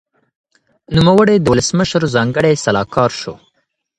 نوموړي د ولسمشر ځانګړی سلاکار شو.